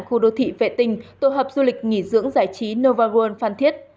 khu đô thị vệ tinh tổ hợp du lịch nghỉ dưỡng giải trí novaworld phan thiết